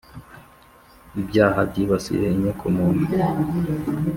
ibyaha byibasiye inyoko muntu,